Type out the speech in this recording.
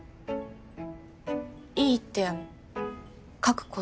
「いい」って書く事？